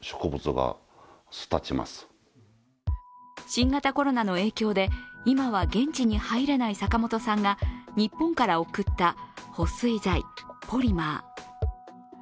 新型コロナの影響で今は現地に入れない坂本さんが日本から送った保水剤＝ポリマー。